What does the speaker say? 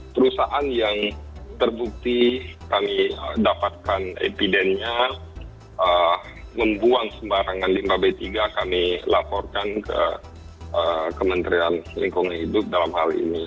perusahaan yang terbukti kami dapatkan epidennya membuang sembarangan limbah b tiga kami laporkan ke kementerian lingkungan hidup dalam hal ini